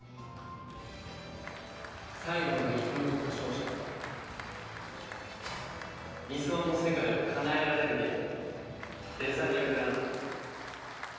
最後まで生き残った勝者は理想の世界をかなえられるゲームデザイアグランプリ。